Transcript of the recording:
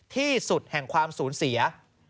ที่สุดแห่งความสูญเสีย